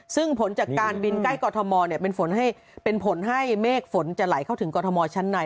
ซึ่งผลจากการบินใกล้กรทมเป็นผลให้เมฆฝนจะไหลเข้าถึงกรทมชั้นใน